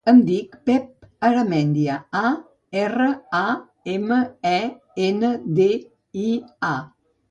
Em dic Pep Aramendia: a, erra, a, ema, e, ena, de, i, a.